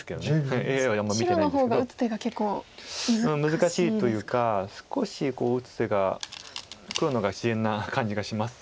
難しいというか少し打つ手が黒の方が自然な感じがします。